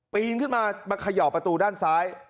พิงขึ้นมามาขยอบประตูด้านซ้าย